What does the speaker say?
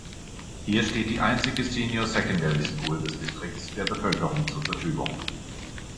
Hier steht die einzige Senior Secondary School des Distriktes der Bevölkerung zur Verfügung.